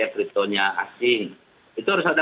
cryptonya asing itu harus ada